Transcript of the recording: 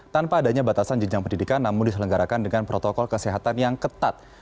tanpa adanya batasan jenjang pendidikan namun diselenggarakan dengan protokol kesehatan yang ketat